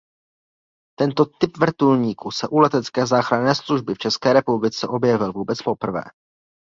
Tento typ vrtulníku se u letecké záchranné služby v České republice objevil vůbec poprvé.